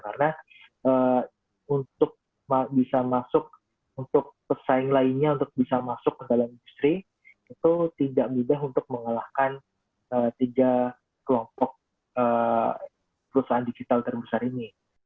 karena untuk bisa masuk untuk pesaing lainnya untuk bisa masuk ke dalam industri itu tidak mudah untuk mengalahkan tiga kelompok perusahaan digital terbesar ini